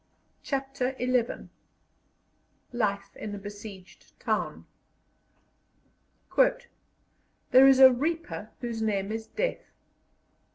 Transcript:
CHAPTER XI LIFE IN A BESIEGED TOWN "There is a reaper whose name is Death."